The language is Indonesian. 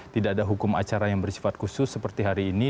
tidak ada hukum acara yang bersifat khusus seperti hari ini